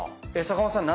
坂本さん